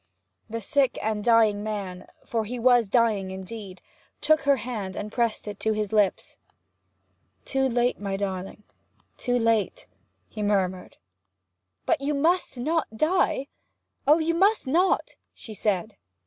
The sick and dying man for he was dying indeed took her hand and pressed it to his lips. 'Too late, my darling, too late!' he murmured. 'But you must not die! Oh, you must not!' she said.